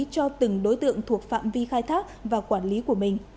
cho từng đối tượng thuộc phạm vi khai thác và quản lý của mình